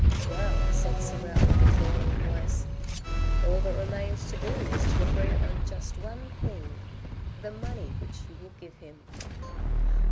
" Well," said Sorel, in a drawling voice, " all that remains to do is to agree on just one thing, the money which you will give him."